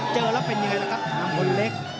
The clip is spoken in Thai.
เจอแล้วเป็นยังไงล่ะครับน้ำมนต์เล็ก